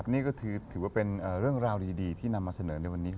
นี่ก็ถือว่าเป็นเรื่องราวดีที่นำมาเสนอในวันนี้